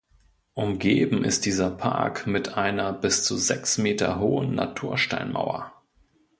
Umgeben ist dieser Park mit einer bis zu sechs Meter hohen Natursteinmauer.